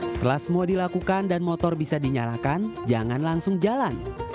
setelah semua dilakukan dan motor bisa dinyalakan jangan langsung jalan